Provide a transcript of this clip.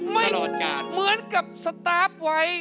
ไม่เหมือนกับสตาคไว